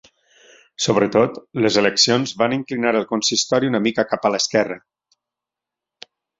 Sobretot, les eleccions van inclinar el consistori una mica cap a l'esquerra.